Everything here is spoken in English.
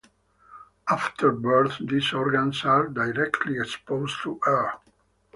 After birth these organs are directly exposed to air.